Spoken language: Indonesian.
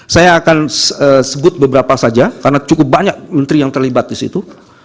saya akan sebut beberapa saja karena cukup banyak menteri yang terlibat di situ